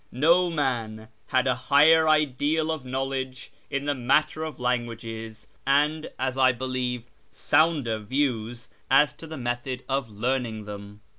No man had a higher ideal of knowledge in the matter of languages, or more original (and, as I believe, sounder) views as to the method of learning them.